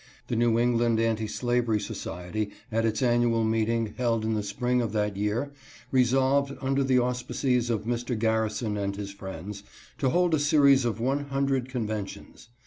The New England Anti Slavery Society, at its annual meeting held in the spring of that year, resolved, under the auspices of Mr. Garrison and his friends, to hold a series of one hundred conventions.